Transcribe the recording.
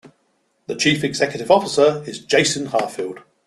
The Chief Executive Officer is Jason Harfield.